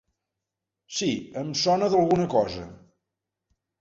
Sí, em sona d'alguna cosa.